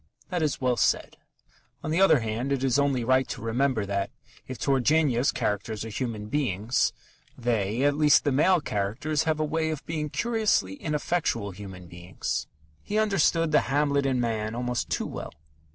That is well said. On the other hand, it is only right to remember that, if Turgenev's characters are human beings, they (at least the male characters) have a way of being curiously ineffectual human beings. He understood the Hamlet in man almost too well.